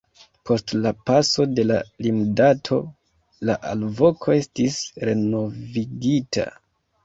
Post la paso de la limdato la alvoko estis renovigita.